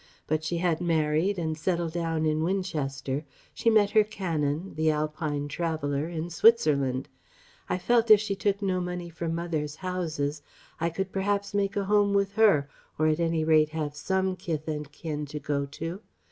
But she had married and settled down at Winchester ... She met her Canon the Alpine traveller ... in Switzerland. I felt if she took no money from mother's 'houses,' I could perhaps make a home with her, or at any rate have some kith and kin to go to.